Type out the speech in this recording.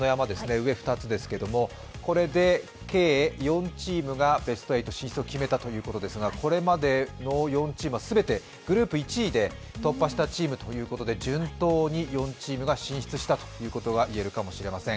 上２つですけど、これで計４チームがベスト８進出を決めたということですが、これまでの４チームは全てグループ１位で突破したチームということで順当に４チームが進出したということが言えるかもしれません。